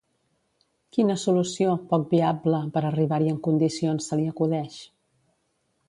Quina solució, poc viable, per arribar-hi en condicions se li acudeix?